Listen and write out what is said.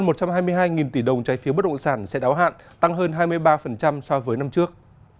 năm hai nghìn hai mươi bốn hơn một trăm hai mươi hai tỷ đồng trái phiếu bất động sản sẽ đáo hạn tăng hơn hai mươi ba so với năm trước